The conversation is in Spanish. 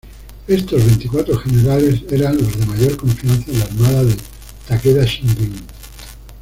Estos veinticuatro generales eran los de mayor confianza en la armada de Takeda Shingen.